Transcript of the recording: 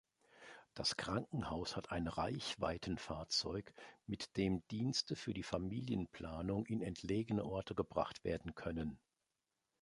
Das Krankenhaus hat ein Reichweitenfahrzeug, mit dem Dienste für die Familienplanung in entlegene Orte gebracht werden können.